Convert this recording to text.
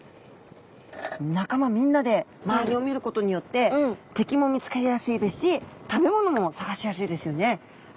仲間みんなで周りを見ることによって敵も見つかりやすいですし食べ物も探しやすいですよね。